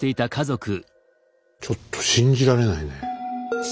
ちょっと信じられないね。